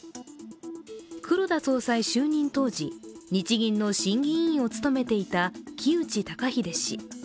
黒田総裁就任当時、日銀の審議委員を務めていた木内登英氏。